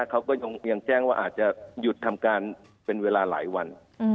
เขาก็ยังแจ้งว่าอาจจะหยุดทำการเป็นเวลาหลายวัน